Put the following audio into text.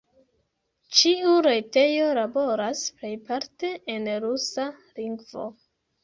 Ĉiu retejo laboras plejparte en rusa lingvo.